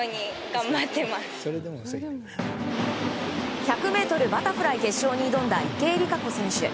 １００ｍバタフライ決勝に挑んだ池江璃花子選手。